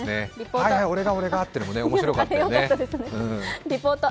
はいはい俺が俺がというのも面白かったですね。